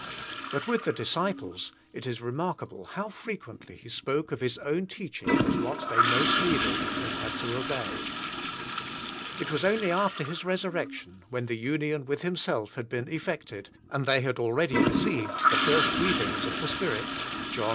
But with the disciples it is remark able how frequently He spoke of His own teach ing as what they most needed, and had to obey. It was only after His resurrection, when the union with Himself had been effected, and they had 32 Learning of Christ 83 already received the first breathings of the Spirit (Jno.